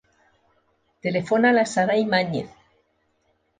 Telefona a la Saray Mañez.